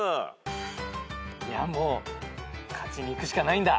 いやもう勝ちにいくしかないんだ。